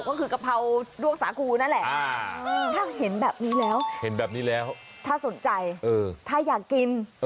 ก็คือกะเพราด้วงสาคูนั่นแหละถ้าเห็นแบบนี้แล้วเห็นแบบนี้แล้วถ้าสนใจถ้าอยากกิน